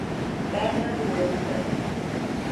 Pedra do Anta